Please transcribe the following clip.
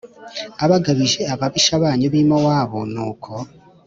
Abagabije ababisha banyu b i mowabu nuko